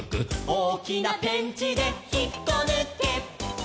「おおきなペンチでひっこぬけ」